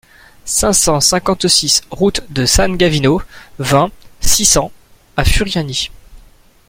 cinq cent cinquante-six route de San Gavino, vingt, six cents à Furiani